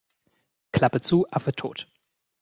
Klappe zu, Affe tot.